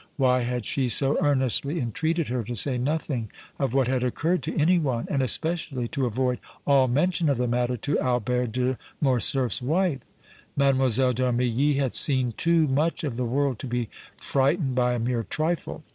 Why had she so earnestly entreated her to say nothing of what had occurred to any one, and, especially, to avoid all mention of the matter to Albert de Morcerf's wife? Mlle. d' Armilly had seen too much of the world to be frightened by a mere trifle.